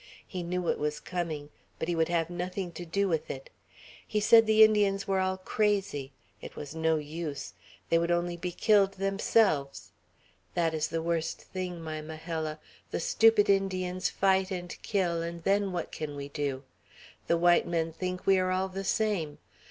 He knew it was coming, but he would have nothing to do with it. He said the Indians were all crazy. It was no use. They would only be killed themselves. That is the worst thing, my Majella. The stupid Indians fight and kill, and then what can we do? The white men think we are all the same.